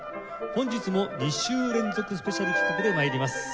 本日も２週連続スペシャル企画で参ります。